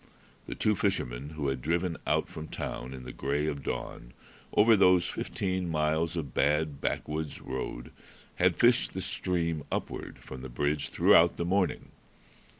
The two fishermen who had driven out from town, in the gray of dawn, over those fifteen miles of bad backwoods road, had fished the stream upward from the bridge throughout the morning.